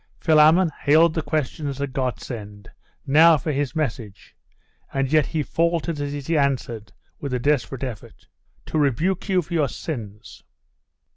Philammon hailed the question as a godsend. Now for his message! And yet he faltered as he answered, with a desperate effort, 'To rebuke you for your sins.